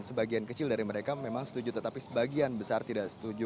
dan sebagian kecil dari mereka memang setuju tetapi sebagian besar tidak setuju